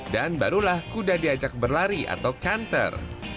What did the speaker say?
dan barulah kuda diajak berlari atau canter